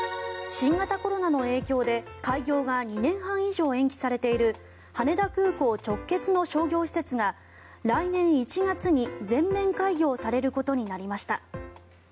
新型コロナの影響で開業が２年半以上延期されている羽田空港直結の商業施設が来年１月に全面開業されることになりました。